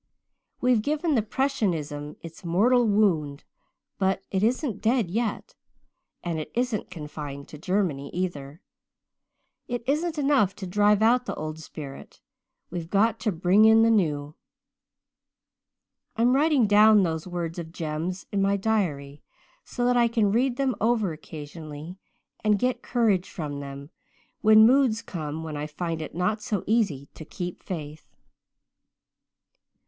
We've given Prussianism its mortal wound but it isn't dead yet and it isn't confined to Germany either. It isn't enough to drive out the old spirit we've got to bring in the new.' "I'm writing down those words of Jem's in my diary so that I can read them over occasionally and get courage from them, when moods come when I find it not so easy to 'keep faith.'"